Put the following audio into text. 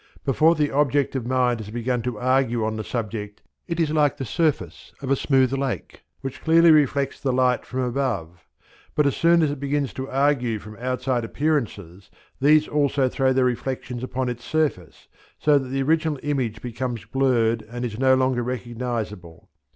Before the objective mind has begun to argue on the subject it is like the surface of a smooth lake which clearly reflects the light from above; but as soon as it begins to argue from outside appearances these also throw their reflections upon its surface, so that the original image becomes blurred and is no longer recognizable.